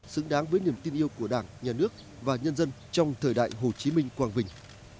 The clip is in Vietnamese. xứng đáng với niềm tin yêu của đảng nhà nước và nhân dân trong thời đại hồ chí minh quang vinh